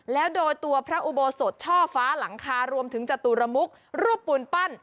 แล้วโดยตัวพระอุโบสถช่อฟ้าหลังคารวมถึงจตุรมุกรูปปูนปั้น